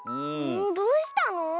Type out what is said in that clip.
どうしたの？